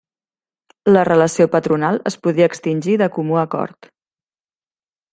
La relació patronal es podia extingir de comú acord.